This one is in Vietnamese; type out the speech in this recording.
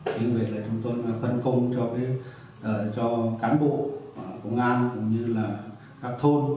thế nên việc là chúng tôi phân công cho cán bộ công an cũng như là các thôn